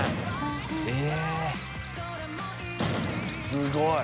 すごい。